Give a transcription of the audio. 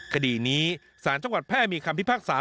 คดีนี้สารจังหวัดแพร่มีคำพิพากษา